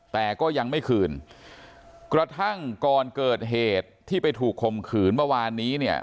แต่ก็ยังไม่คืนกระทั่งก่อนเกิดเหตุที่ไปถูกคมขืนเมื่อวานนี้เนี่ย